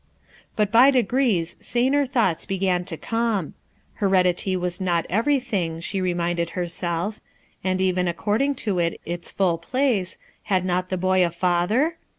But by degrees saner thoughts began to come. Heredity was not everything, the reminded her self ; and even according to it ita full place, had not the boy a father?